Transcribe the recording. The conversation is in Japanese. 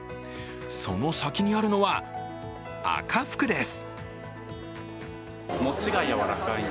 その先にあるのは赤福です。